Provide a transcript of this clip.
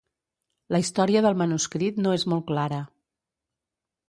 La història del manuscrit no és molt clara.